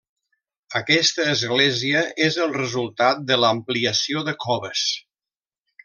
Aquesta església és el resultat de l'ampliació de coves.